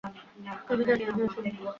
আমি জানি, আমি অশুভ।